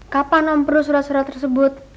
kapan om perlu surat surat tersebut